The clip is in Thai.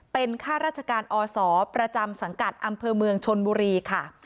เป็นข้าราชการอศประจำสังกัดอำเภอเมืองชนบุรีค่ะ